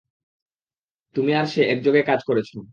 তুমি আর সে একযোগে কাজ করেছ।